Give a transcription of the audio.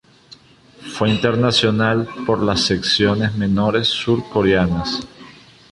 Fue internacional por las selecciones menores surcoreanas.